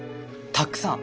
たっくさん。